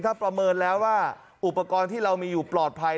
ถ้าประเมินแล้วว่าอุปกรณ์ที่เรามีอยู่ปลอดภัย